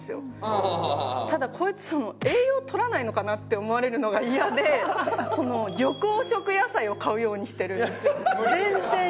ただこいつ栄養とらないのかな？って思われるのがイヤで緑黄色野菜を買うようにしてるんですよ。